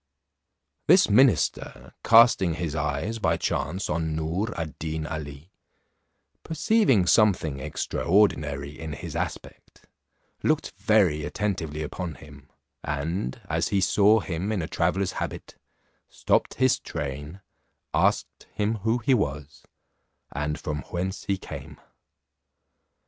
This minister casting his eyes by chance on Noor ad Deen Ali, perceiving something extraordinary in his aspect, looked very attentively upon him, and as he saw him in a traveller's habit, stopped his train, asked him who he was, and from whence he came?